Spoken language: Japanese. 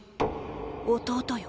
弟よ。